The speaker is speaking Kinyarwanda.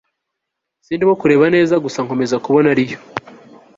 sindimo kureba neza gusa nkomeza kubona ariyo